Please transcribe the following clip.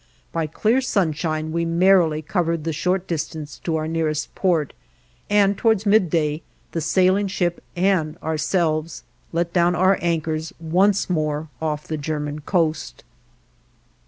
By clear sunshine we merrily covered the short distance to our nearest port, and towards midday the sailing ship and ourselves let down our anchors once more off the German coast.